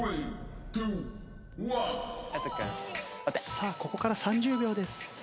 さあここから３０秒です。